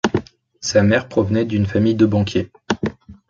Sa mère provenait d'une famille de banquiers.